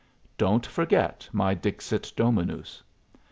Don't forget my Dixit Dominus."